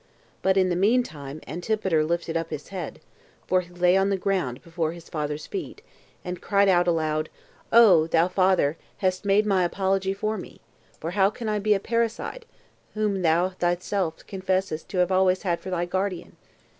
But in the mean time Antipater lifted up his head, [for he lay on the ground before his father's feet,] and cried out aloud, "Thou, O father, hast made my apology for me; for how can I be a parricide, whom thou thyself confessest to have always had for thy guardian?